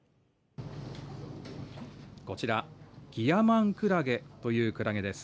こちらギヤマンクラゲというクラゲです。